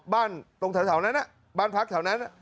ตรงแถวนั้นบ้านพักแถวนั้น